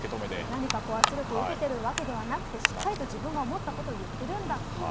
何か圧力を受けているわけではなくてしっかり自分が思っていることを言っているんだという。